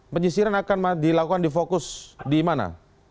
penyisiran akan dilakukan di fokus di mana